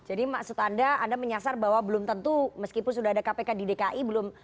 jadi maksud anda anda menyasar bahwa belum tentu meskipun sudah ada kpk di dki belum